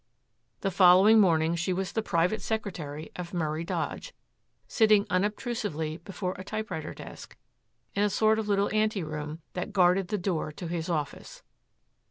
The following morning she was the private secretary of Murray Dodge, sitting unobtrusively before a typewriter desk in a sort of little anteroom that guarded the door to his office.